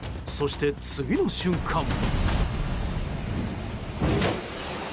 そして、次の瞬間。